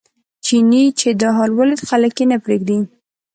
چیني چې دا حال ولیده خلک یې نه پرېږدي.